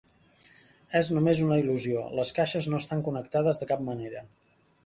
És només una il·lusió; les caixes no estan connectades de cap manera.